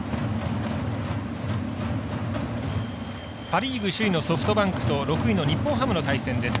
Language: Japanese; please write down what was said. パ・リーグ首位のソフトバンクと６位の日本ハムの対戦です。